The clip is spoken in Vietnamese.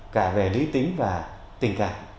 cả về lý tính cả về tình thần thương yêu